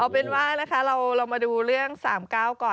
เอาเป็นว่านะคะเรามาดูเรื่อง๓๙ก่อน